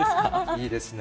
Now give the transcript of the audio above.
いいですね。